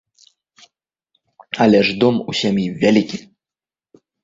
Але ж дом у сям'і вялікі.